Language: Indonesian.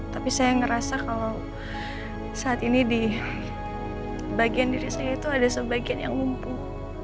tapi saya ngerasa kalau saat ini di bagian diri saya itu ada sebagian yang mumpung